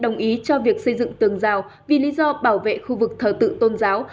đồng ý cho việc xây dựng tường rào vì lý do bảo vệ khu vực thờ tự tôn giáo